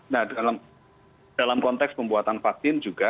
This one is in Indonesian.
nah dalam konteks pembuatan vaksin juga